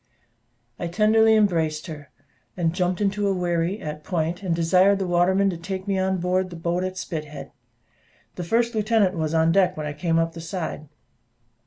I tenderly embraced her, jumped into a wherry, at Point, and desired the waterman to take me on board the I , at Spithead. The first lieutenant was on deck when I came up the side.